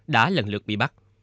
đã lần lượt bị bắt